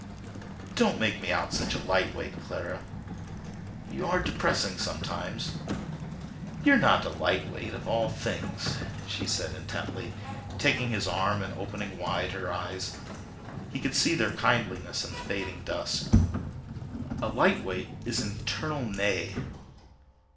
"Don't make me out such a light weight, Clara; you are depressing sometimes." "You're not a light weight, of all things," she said intently, taking his arm and opening wide her eyes—he could see their kindliness in the fading dusk. "A light weight is an eternal nay."